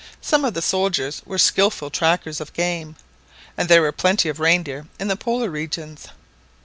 Some of the soldiers were skilful trackers of game, and there were plenty of reindeer in the Polar regions.